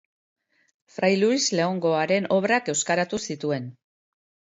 Frai Luis Leongoaren obrak euskaratu zituen.